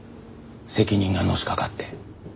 責任がのしかかって。